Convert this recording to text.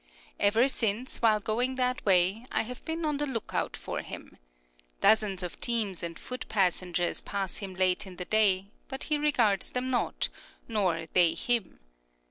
Ever since, while going that way, I have been on the lookout for him. Dozens of teams and foot passengers pass him late in the day, but he regards them not, nor they him.